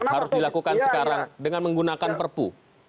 harus dilakukan sekarang dengan menggunakan perpu